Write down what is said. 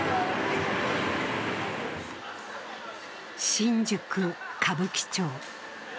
新宿・歌舞伎町。